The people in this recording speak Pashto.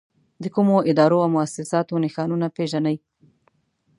د کومو ادارو او مؤسساتو نښانونه پېژنئ؟